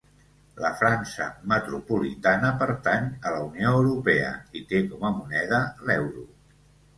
La França metropolitana pertany a la Unió Europea i té com a moneda l'euro.